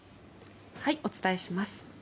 お伝えします。